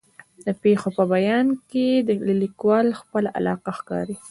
د پېښو په بیان کې د لیکوال خپله علاقه ښکاري.